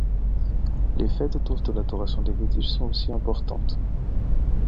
Les fêtes autour de l'adoration des fétiches sont aussi importantes.